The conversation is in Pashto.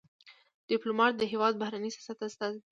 ډيپلومات د هېواد د بهرني سیاست استازی دی.